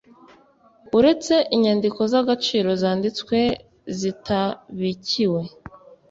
Uretse inyandiko z agaciro zanditswe zitabikiwe